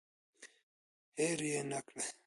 هیر یې نکړئ.